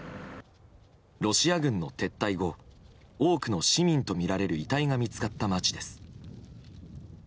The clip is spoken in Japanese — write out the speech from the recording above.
ロシア軍の撤退後多くの市民とみられる遺体が見つかった街です。